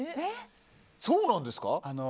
そうなんですか？